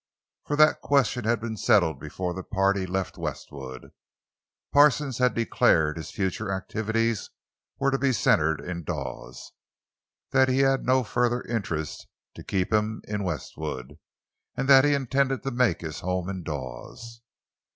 For that question had been settled before the party left Westwood. Parsons had declared his future activities were to be centered in Dawes, that he had no further interests to keep him in Westwood, and that he intended to make his home in Dawes.